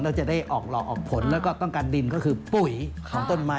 แล้วจะได้ออกหลอกออกผลแล้วก็ต้องการดินก็คือปุ๋ยของต้นไม้